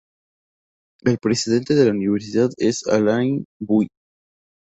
El presidente de la universidad es Alain Bui.